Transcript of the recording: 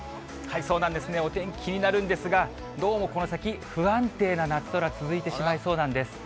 お天気、気になるんですが、どうもこの先、不安定な夏空、続いてしまいそうなんです。